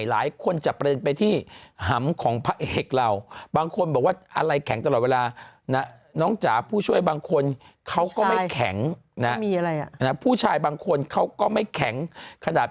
ไม่มีที่ไม่จ่ายนโตะพรตแหละ